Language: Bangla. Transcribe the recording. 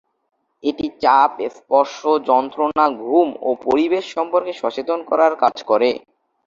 এটি চাপ, স্পর্শ, যন্ত্রণা, ঘুম ও পরিবেশ সম্পর্কে সচেতন করার কাজ করে।